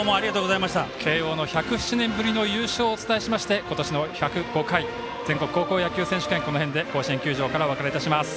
慶応の１０７年ぶりの優勝をお伝えしまして今年の１０回全国高校野球選手権この辺で甲子園球場からお別れいたします。